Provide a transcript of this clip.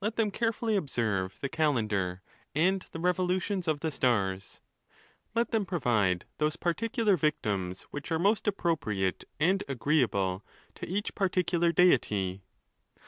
them carefully observe the calendar, and the revolutions of the stars—Let them provide those particular victims which are most appropriate and agreeable to each particular | deity.